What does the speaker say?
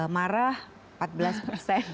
marah empat belas persen